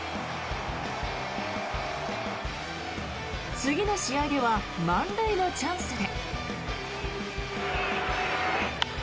次の試合では満塁のチャンスで。